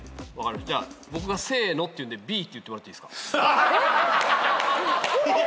じゃあ僕が「せの」って言うんで「Ｂ」って言ってもらっていいっすか？